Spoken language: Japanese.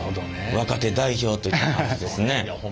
若手代表といった感じですね。